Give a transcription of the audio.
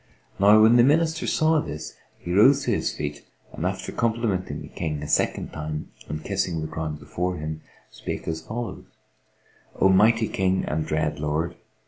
Now when the Minister saw this, he rose to his feet and, after complimenting the King a second time and kissing the ground before him, spake as follows, "O mighty King and dread Lord!